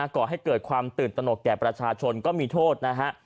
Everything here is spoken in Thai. ก่อให้เกิดความตื่นตนกแก่ประชาชนก็มีโทษนะฮะ